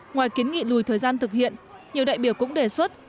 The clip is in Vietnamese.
ngoài kiến nghị lùi thời gian thực hiện nhiều đại biểu cũng đề xuất